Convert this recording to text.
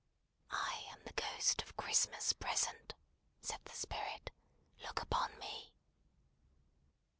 "I am the Ghost of Christmas Present," said the Spirit. "Look upon me!"